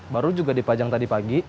baru juga dipajang tadi pagi